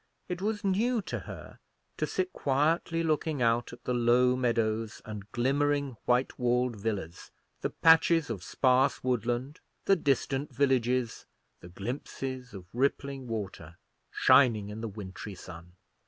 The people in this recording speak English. It was new to her to sit quietly looking out at the low meadows and glimmering white walled villas, the patches of sparse woodland, the distant villages, the glimpses of rippling water, shining in the wintry sun.